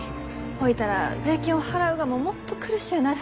ほいたら税金を払うがももっと苦しゅうなる。